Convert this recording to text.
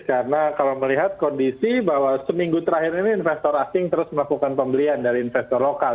karena kalau melihat kondisi bahwa seminggu terakhir ini investor asing terus melakukan pembelian dari investor lokal